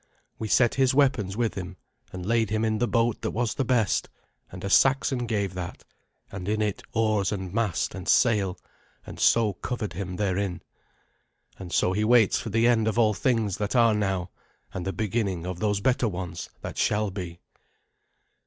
We set his weapons with him, and laid him in the boat that was the best and a Saxon gave that and in it oars and mast and sail, and so covered him therein. And so he waits for the end of all things that are now, and the beginning of those better ones that shall be.